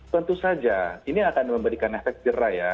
tentu saja ini akan memberikan efek jerah ya